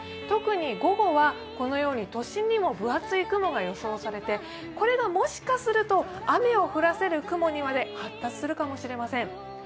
特に午後はこのように都心にも分厚い雲が予想されていてこれがもしかすると雨を降らせる雲にまで発達するかもしれません。